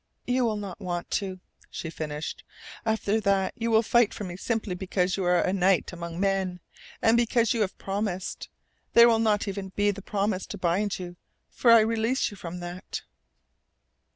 "You will not want to," she finished. "After that you will fight for me simply because you are a knight among men, and because you have promised. There will not even be the promise to bind you, for I release you from that."